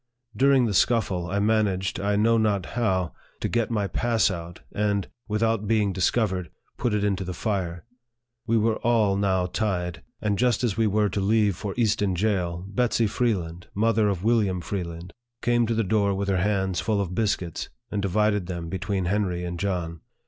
During the scuffle, I managed, I know not how, to get my pass out, and, without being discovered, put it into the fire. We were all now tied ; and just as we were to leave for Easton jail, Betsy Freeland, mother of William Freeland, came to the door with her hands full of biscuits, and divided them between Henry and John.